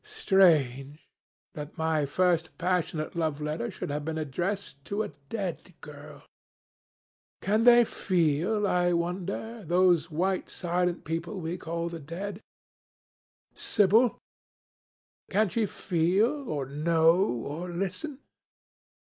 Strange, that my first passionate love letter should have been addressed to a dead girl. Can they feel, I wonder, those white silent people we call the dead? Sibyl! Can she feel, or know, or listen?